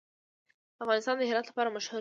افغانستان د هرات لپاره مشهور دی.